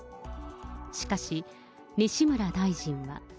しかし、西村大臣は。